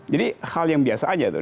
jadi hal yang biasa aja tuh